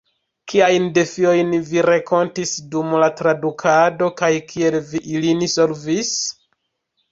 Kiajn defiojn vi renkontis dum la tradukado, kaj kiel vi ilin solvis?